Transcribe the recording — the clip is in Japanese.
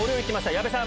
矢部さん。